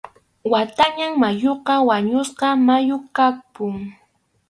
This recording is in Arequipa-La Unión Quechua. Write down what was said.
Watanáy mayuqa wañusqa mayu kapun.